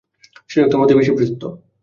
শেষোক্ত মতই বেশি প্রসিদ্ধ।